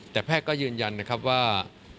แต่แพทย์ก็ยืนยันว่า